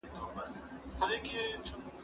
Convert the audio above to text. زه به سبا سیر وکړم